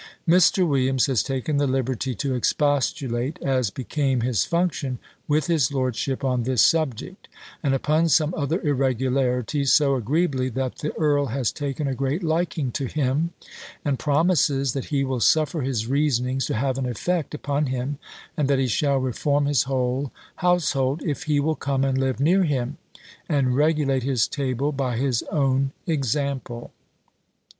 Mr. Williams has taken the liberty to expostulate, as became his function, with his lordship on this subject, and upon some other irregularities, so agreeably, that the earl has taken a great liking to him, and promises, that he will suffer his reasonings to have an effect upon him, and that he shall reform his whole household, if he will come and live near him, and regulate his table by his own example.